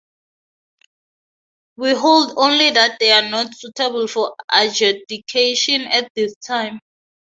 We hold only that they are not suitable for adjudication at this time.